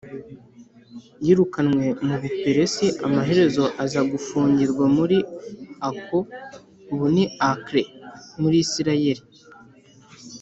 yirukanywe mu buperesi, amaherezo aza gufungirwa muri acco (ubu ni acre muri isirayeli).